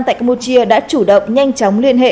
tại campuchia đã chủ động nhanh chóng liên hệ